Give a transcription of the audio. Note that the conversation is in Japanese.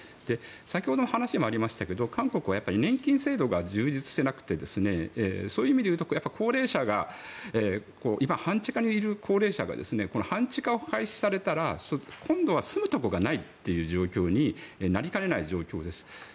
先ほどの話もありましたけど韓国は年金制度が充実していなくてそういう意味で言うと今、半地下にいる高齢者が半地下を廃止されたら今度は住むところがないっていう状況になりかねない状況です。